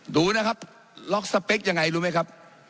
ดูนะครับล็อกสเปคยังไงรู้ไหมครับ